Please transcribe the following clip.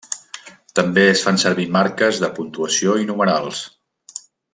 També es fan servir marques de puntuació i numerals.